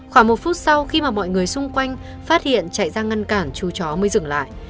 khoảng một phút sau khi mà mọi người xung quanh phát hiện chạy ra ngăn cản chú chó mới dừng lại